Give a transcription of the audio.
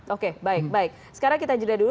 oke baik baik sekarang kita jeda dulu